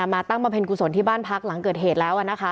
มาตั้งมาเพลงกุศลที่บ้านพรรคหลังเกิดเหตุแล้วนะ